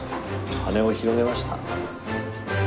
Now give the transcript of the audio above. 羽を広げました。